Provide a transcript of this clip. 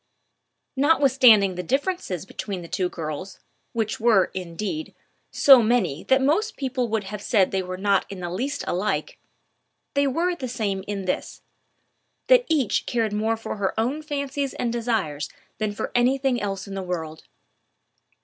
Notwithstanding the differences between the two girls, which were, indeed, so many that most people would have said they were not in the least alike, they were the same in this, that each cared more for her own fancies and desires than for any thing else in the world.